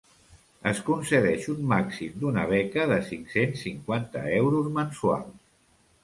Es concedeix un màxim d'una beca, de cinc-cents cinquanta euros mensuals.